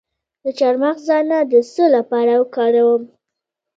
د چارمغز دانه د څه لپاره وکاروم؟